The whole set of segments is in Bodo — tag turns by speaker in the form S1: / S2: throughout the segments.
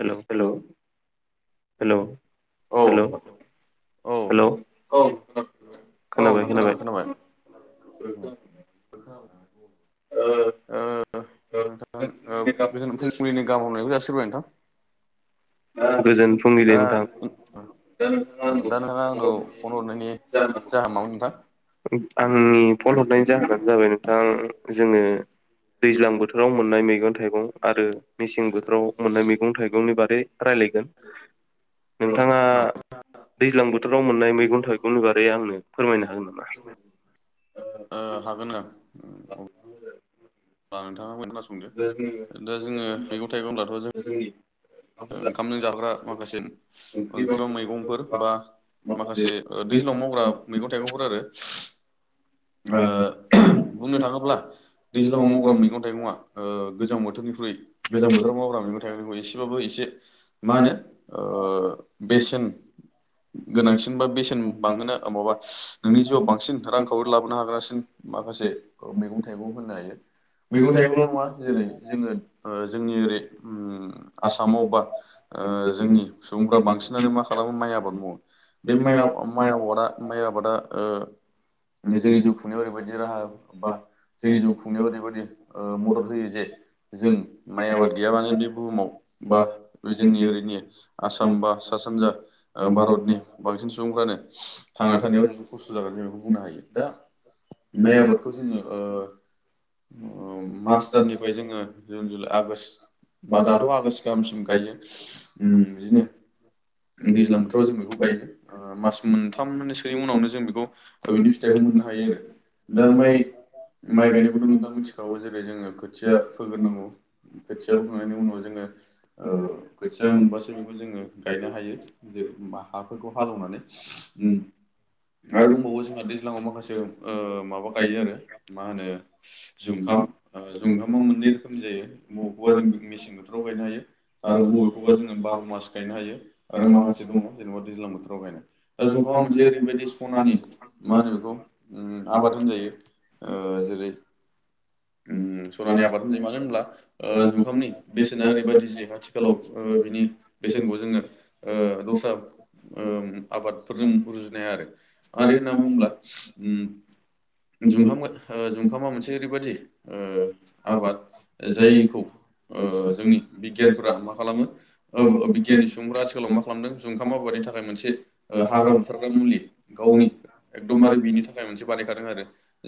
S1: हेल' हेल' हेल' औ।
S2: औ
S1: हेल'?
S2: औ नोंथां खोनाबाय खोनाबाय। ओ नोंथां ओ गोजोन फुंबिलिनि गाहाम हामलायनायखौ जासिरबाय आं। [unintelligible]
S1: गोजोन फुंबिलि नोंथां। दा
S2: औ
S1: नोंथाङा
S2: दा नोंथाङा आंनाव फन हरनायनि जाहोना मामोन नोंथां
S1: [unintelligible] आंनि फन हरनायनि जाहोनानो जाबाय नोंथां जोङो दैज्लां बोथोराव मोननाय मैगं थाइगं आरो मेसें बोथोराव मोननाय मैगं थाइगंनि बारै रायलायगोन। नोंथाङा दैज्लां बोथोराव मोननाय मैगं थाइगं बारै आं नो फोरमायनो हागोन नामा?
S2: ओ हागोन नोंथां अब्ला नोंथाङा खोना संदो दा जोङो मैगं थाइगंब्लाथ' जों ओंखामजों जाग्रा माखासे ओंख्रि मैगंफोर बा माखासे दैज्लां मावग्रा मैगं थाइगंफोर आरो। ओ बुंनो थाङोब्ला दैज्लाङाव मावग्रा मैगं थाइगङा ओ गोजां बोथोरनिख्रुइ गोजां बोथोराव मावग्रा मैगं थाइखौ एसेबाबो एसे मा होनो ओ बेसेन गोनांसिन बा बेसेन बांहोनो माबा नोंनि जिउआव बांसिन रांखावरि लाबोनो हाग्रासिन मा खासे मैगं थाइगं होननो हायो। मैगं थाइगंल' नङा जेरै जोङो ओ जोंनि ओरै उम आसामाव बा ओ जोंनि सुबुंफ्रा बांसिनानो मा खालामो माइ आबाद मावो। बे माइ आव माइ आवादा माइ आबादा ओ जोंनि जिउ खुंनायाव ओरैबायदि राहा बा जोंनि जिउ खुंनायाव ओरैबायदि ओ मदद होयो जे जों माइ आबाद गैयाबानो बे बुहुमाव बा जोंनि ओरैनि आसाम बा सा सानजा ओ भारतनि बांसिन सुबुंफ्रानो थांना थानायाव जोबो खस्थ' जागोन जों बेखौ बुंनो हायो। दा माइ आबादखौ जोंङो ओ ओ मार्च दाननिफ्राय जोंङो जुन, जुलाइ, आगोष्ट आबाद दाथ' आगष्ट गाहामसिम गायो।
S1: उम।
S2: दैज्लां बोथोराव जों बेखौ गायो। ओ मास मोन्थामसोनि उनावनो जों बेखौ बिनि फिथाइखौ मोननो हायो।
S1: ओम
S2: आरो
S1: दा‌ माइ
S2: माइ गायनायखौथ' नोंथांङा मिथिखागौ जेरै जोंङो खोथिया फोगोरनांगौ। खोथिया फोखांनायनि उनाव जोंङो ओ खोथिया मोनबासो बेखौ‌ गायनो हायो। जेरै‌ होमबा हाफोरखौ हालेवनानै उम आरो दंबावो जोंहा दैज्लांङाव माखासे ओ माबा गायो आरो मा होनो जुंखाम। ओ जुंखाम आ मोननै रोखोमनि जायो बबेखौबा जोंङो मेसें बोथोराव गायनो‌ हायो आरो बबे खौबा जोंङो बार' मास गायनो हायो। आरो माखासे दंङ जेनेबा दैज्लां बोथोराव गायनाय। दा जुखामा मोनसे ओरैबायदि सनानि मा होनो बेखौ ओ आबाद होनजायो। ओ जेरै ओ सनानि आबाद होनजायो। मानो होनब्ला जुखामनि बेसेना ओरैबायदि जे आथिखालाव ओ बिनि बेसेनखौ जोङो ओ दस्रा ओम आबादफोरजों रुजुनो हाया आरो। आरो होनना बुंब्ला उम जुंखाम ओ जुंखामा मोनसे ओरैबादि ओ आबाद जायखौ ओ जोंनि बिगियानफोरा माखा खालामो ओ ओ बिगियाननि सुबुंफोरा आथिखालाव मा खालामदों जुंखाम आबादनि थाखाय मोनसे हाग्रा बुथारग्रा मुलि गावनि एकदमबारे बिनि थाखाय मोनसे बानायखादों आरो।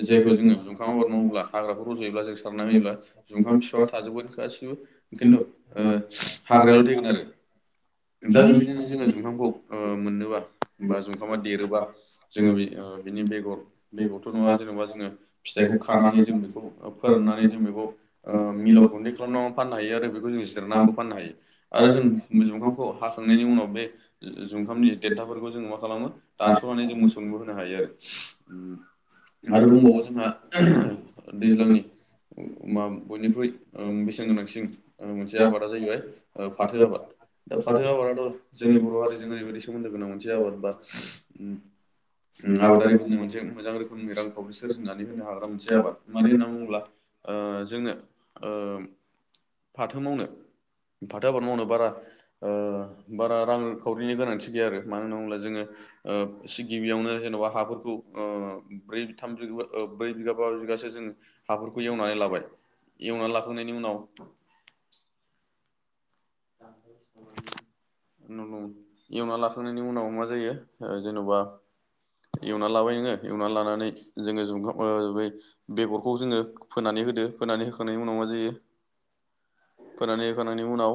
S2: जायखौ जोंङो जुंखांम आबाद मावोब्ला हाग्राखौ रज'योब्ला जों सारना होयोब्ला जुखाम बिफांआ थाजोबगोन गासैबो खिन्थु ओ हाग्रायाल' थैगोन आरो। दा बेबायदिनो जोंङो जुंखामखौ ओ मोननोबा बा जुंखामा देरोबा जोंङो बि ओ बिनि बेगर बेगरथ' नंङा जेनेबा जोंङो फिथाइखौ खानानै जों बेखौ फोराननानै जों बेखौ ओ मिलाव गुन्दै खालामनानै फाननो हायो आरो बेखौ जों जिरनानैबो फाननो हायो। जों
S1: आरो [inaudible]
S2: जुखामखौ हाखांनायनि उनाव बे जुखामनि देन्थाफोरखौ जोंङो मा खालामो दानस'नानै जों मोसौबो होनो हायो आरो।
S1: [inaudible]
S2: आरो दंबावो जोंहा दैज्लांनि मा बयनिख्रुइ बेसे न गोनांसिन ओ मोनसे आबादा जाहैबाय ओ फाथो आबाद। दा फाथो आबादाथ' जोंनि बर' हारिजों ओरैबायदि सोमोन्दो गोनां मोनसे आबाद बा ओं आबादारिफोरनो मोनसे मोजां रोखोमनि रांखावरि सोरजिनानै होनो हाग्रा मोनसे आबाद। मानो होननानै बुङोब्ला ओ जोङो ओ फाथो मावनो फाथो आबाद मावनो बारा ओ बारा रांखावरिनि गोनांथि गैया आरो। मानो होनना बुंब्ला जोङो ओ एसे गिबियावनो जेनेबा हाफोरखौ ओ ब्रै थाम ब्रै ओ ब्रै बिगा बा बिगा जों हाफोरखौ एवनानै लाबाय एवनानै लाखांनायनि उनाव
S1: [inaudible] [inaudible]
S2: [inaudible] एवना लाखांनायनि उनाव मा जायो, जेन'बा एवना लाबाय नोंङो एवना लानानै जोंङो ज'खा [inaudible] बेगरखौ जोंङो फोनानै होदो होनानै होखांनायनि उनाव मा जायो
S1: [inaudible]
S2: फोननानै होखांनायनि उनाव